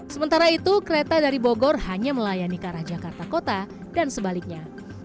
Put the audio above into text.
sementara itu kereta dari bogor hanya melayani ke arah jakarta kota dan sebaliknya